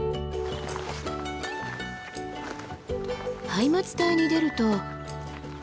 ハイマツ帯に出ると。